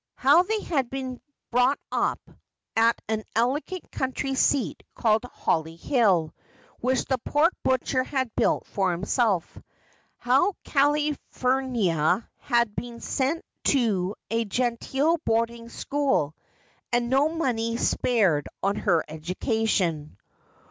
How they had been brought up at an elegant country seat called Holly Hill, which the pork butcher had built for himself. How Calphurnia had been sent to a genteel boarding school, and no money spared on her education.